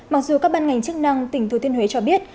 mặc dù các ban ngành chức năng tỉnh thừa thiên huế cho biết